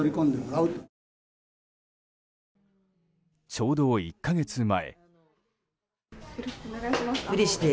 ちょうど１か月前。